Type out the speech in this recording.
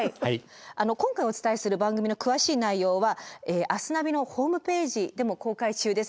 今回お伝えする番組の詳しい内容は「明日ナビ」のホームページでも公開中です。